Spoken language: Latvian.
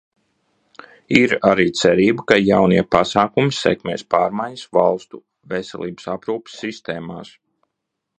Ir arī cerība, ka jaunie pasākumi sekmēs pārmaiņas valstu veselības aprūpes sistēmās.